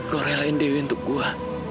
lo relain dewi untuk gue